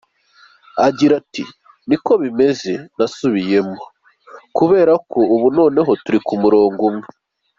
Agira ati “Niko bimeze nasubiyemo, kubera ko ubu noneho turi ku murongo umwe.